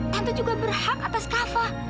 tante juga berhak atas kafa